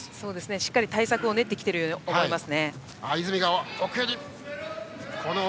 しっかり対策を練ってきているように思います。